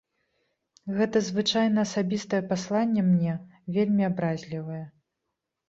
Гэта звычайна асабістае пасланне мне, вельмі абразлівае.